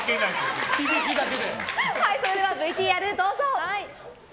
それではＶＴＲどうぞ！